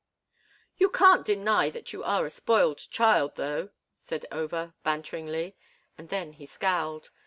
"You can't deny that you are a spoiled child, though," said Over, banteringly, and then he scowled.